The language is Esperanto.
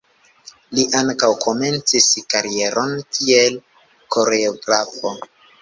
Li ankaŭ komencis karieron kiel koreografo.